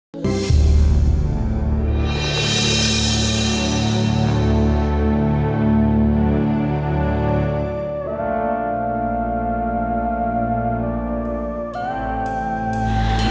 udah mas ganteng